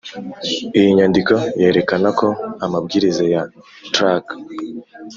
iyi nyandiko yerekana ko amabwiriza ya trac,